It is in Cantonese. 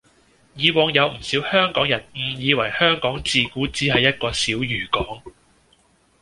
以往有唔少香港人誤以為香港自古只係一個小漁港